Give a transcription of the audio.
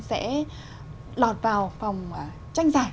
sẽ lọt vào phòng tranh giải